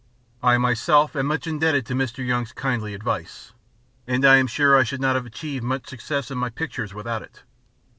I myself am much indebted to Mr. Young's kindly advice, and I am sure I should not have achieved much success in my pictures without it.